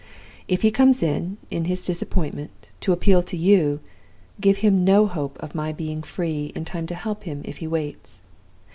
If he comes, in his disappointment, to appeal to you, give him no hope of my being free in time to help him if he waits.